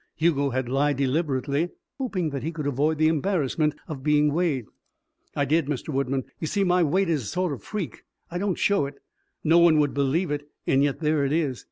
Hugo had lied deliberately, hoping that he could avoid the embarrassment of being weighed. "I did, Mr. Woodman. You see my weight is a sort of freak. I don't show it no one would believe it and yet there it is."